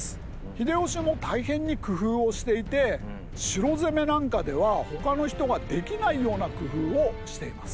秀吉も大変に工夫をしていて城攻めなんかではほかの人ができないような工夫をしています。